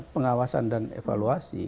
pengawasan dan evaluasi